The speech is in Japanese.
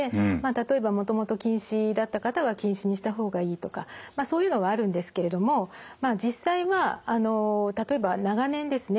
例えばもともと近視だった方は近視にした方がいいとかそういうのはあるんですけれどもまあ実際はあの例えば長年ですね